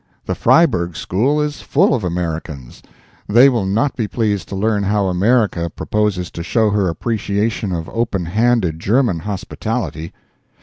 The Freiburg school is full of Americans. They will not be pleased to learn how America proposes to show her appreciation of open handed German hospitality.